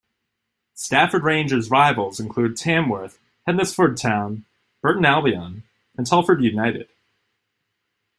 Stafford Rangers' rivals include Tamworth, Hednesford Town, Burton Albion, and Telford United.